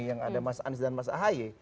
yang ada mas anies dan mas ahy